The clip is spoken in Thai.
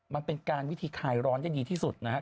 มันเป็นการวิธีคลายร้อนได้ดีที่สุดนะครับ